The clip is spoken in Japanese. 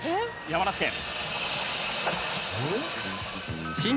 山梨県。